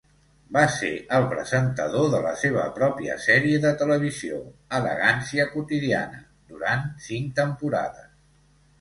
Va ser el presentador de la seva pròpia sèrie de televisió "Elegància quotidiana" durant cinc temporades.